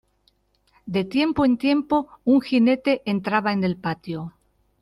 de tiempo en tiempo un jinete entraba en el patio: